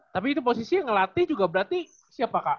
tapi itu posisinya ngelatih juga berarti siapa kak